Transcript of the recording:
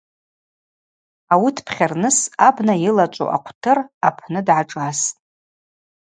Ауи дпхьарныс абна йылачӏву акъвтыр апны дгӏашӏастӏ.